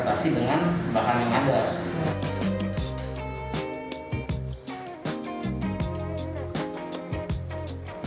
makanan makanan ini asalnya dari mana